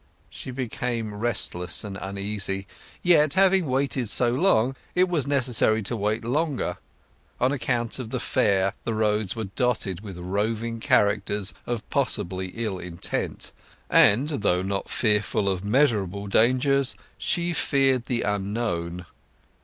She became restless and uneasy; yet, having waited so long, it was necessary to wait longer; on account of the fair the roads were dotted with roving characters of possibly ill intent; and, though not fearful of measurable dangers, she feared the unknown.